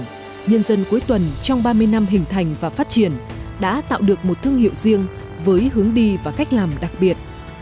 tuy nhiên nhân dân cuối tuần trong ba mươi năm hình thành và phát triển đã tạo được một thương hiệu riêng với hướng đi và cách làm đặc biệt